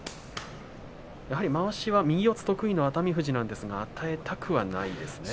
やはりまわしは右四つ得意な熱海富士なんですが与えたくはないですね。